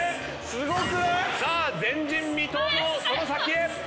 すごくない⁉さあ前人未到のその先へ！